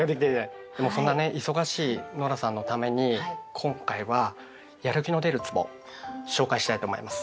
そんなね忙しいノラさんのために今回はやる気の出るつぼ紹介したいと思います。